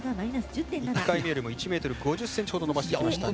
１回目よりも１ｍ５０ｃｍ程伸ばしてきましたが。